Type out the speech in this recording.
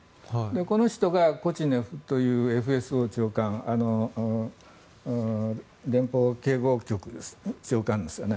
この人がコチネフというＦＳＯ長官連邦警護局長官ですよね。